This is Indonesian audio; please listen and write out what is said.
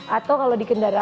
atau kalau di kendaraan